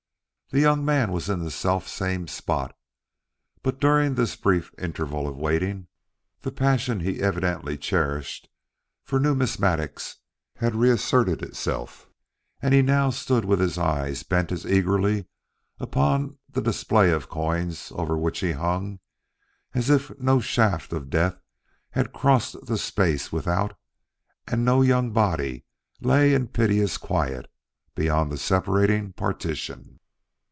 The young man was in the selfsame spot, but during this brief interval of waiting, the passion he evidently cherished for numismatics had reasserted itself, and he now stood with his eyes bent as eagerly upon the display of coins over which he hung, as if no shaft of death had crossed the space without and no young body lay in piteous quiet beyond the separating partition.